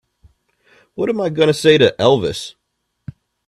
What am I going to say to Elvis?